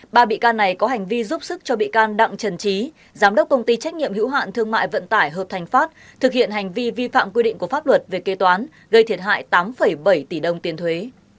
ba bị can này có hành vi giúp sức cho bị can đặng trần trí giám đốc công ty trách nhiệm hữu hạn thương mại vận tải hợp thành pháp thực hiện hành vi vi phạm quy định của pháp luật về kế toán gây thiệt hại tám bảy tỷ đồng tiền thuế